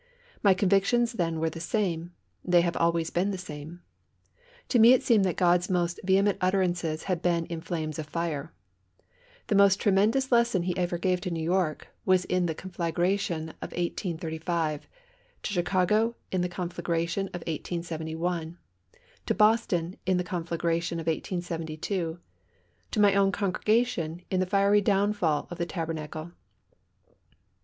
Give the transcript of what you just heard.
My convictions then were the same, they have always been the same. To me it seemed that God's most vehement utterances had been in flames of fire. The most tremendous lesson He ever gave to New York was in the conflagration of 1835; to Chicago in the conflagration of 1871; to Boston in the conflagration of 1872; to my own congregation in the fiery downfall of the Tabernacle.